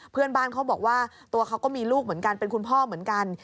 เพื่อนบ้านเขาบอกว่าตัวเขาก็มีลูกเหมือนกันเป็นคุณพ่อเหมือนกัน